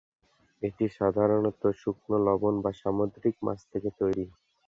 এটি সাধারণত শুকনো লবণ বা সামুদ্রিক মাছ থেকে তৈরি।